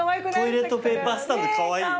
トイレットペーパースタンドカワイイ。